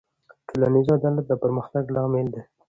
ټولنیز عدالت د پرمختګ لامل دی.